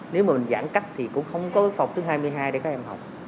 nếu mà mình giãn cách thì cũng không có phòng thứ hai mươi hai để các em học